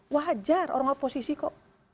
wajar orang oposisi kok